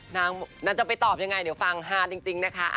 นางจะไปตอบยังไงเดี๋ยวฟังฮาจริงนะคะ